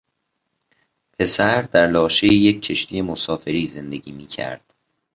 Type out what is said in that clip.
پسر در لاشهی یک کشتی مسافری زندگی می کرد.